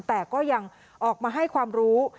แต่ก็ยังออกมาให้ความรู้